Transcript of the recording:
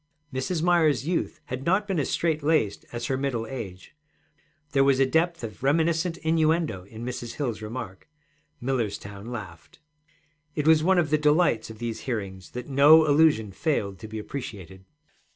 Mrs. Myers's youth had not been as strait laced as her middle age; there was a depth of reminiscent innuendo in Mrs. Hill's remark. Millerstown laughed. It was one of the delights of these hearings that no allusion failed to be appreciated.